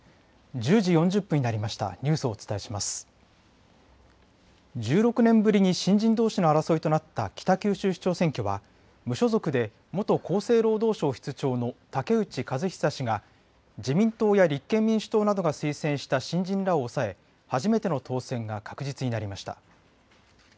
１６年ぶりに新人どうしの争いとなった北九州市長選挙は無所属で元厚生労働省室長の武内和久氏が自民党や立憲民主党などが推薦した新人らを抑え初めての当選が確実になりました。